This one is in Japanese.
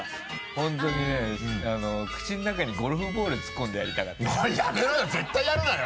本当にね口の中にゴルフボール突っ込んでやりたかったよ。